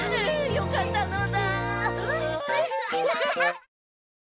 よかったのだ！